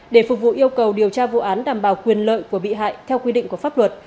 để phục vụ yêu cầu điều tra vụ án đảm bảo quyền lợi của bị hại theo quy định của pháp luật